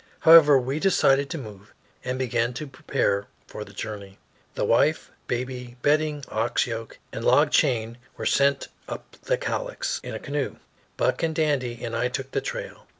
However, we decided to move, and began to prepare for the journey. The wife, baby, bedding, ox yoke, and log chain were sent up the Cowlitz in a canoe. Buck and Dandy and I took the trail.